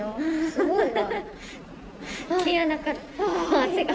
すごいわ。